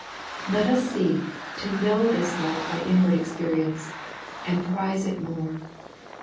Let us seek to know this love by inward experience, and prize it more.